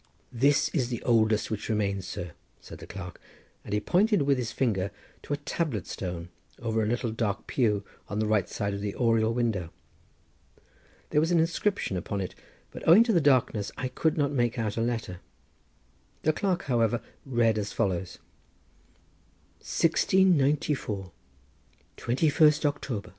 "This is the oldest which remains, sir," said the clerk, and he pointed with his finger to a tablet stone over a little dark pew on the right side of the oriel window. There was an inscription upon it, but owing to the darkness I could not make out a letter. The clerk however read as follows. 1694. 21 Octr.